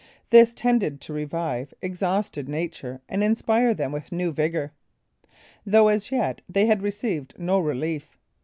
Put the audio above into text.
This tended to revive exhausted nature and inspire them with new vigour, though as yet they had received no relief.